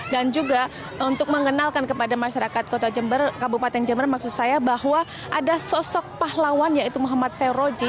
dan juga untuk mengenalkan kepada masyarakat kota jember kabupaten jember maksud saya bahwa ada sosok pahlawan yaitu muhammad seyroji